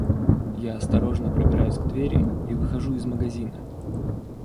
Я осторожно пробираюсь к двери и выхожу из магазина.